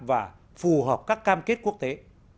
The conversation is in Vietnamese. và phù hợp các cam kết quốc tế